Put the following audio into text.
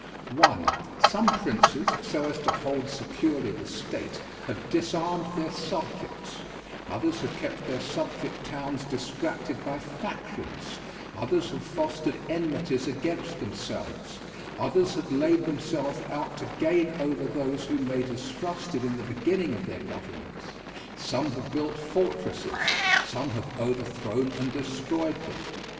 1. Some princes, so as to hold securely the state, have disarmed their subjects; others have kept their subject towns distracted by factions; others have fostered enmities against themselves; others have laid themselves out to gain over those whom they distrusted in the beginning of their governments; some have built fortresses; some have overthrown and destroyed them.